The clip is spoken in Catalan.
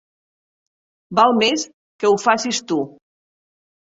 Val més que ho facis tu.